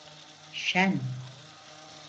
Şen